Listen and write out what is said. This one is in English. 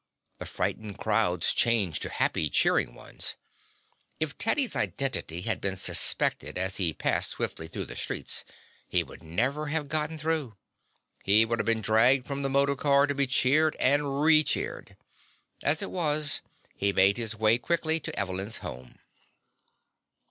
The frightened crowds changed to happy, cheering ones. If Teddy's identity had been suspected as he passed swiftly through the streets, he would never have gotten through. He would have been dragged from the motor car to be cheered and recheered. As it was, he made his way quickly to Evelyn's home.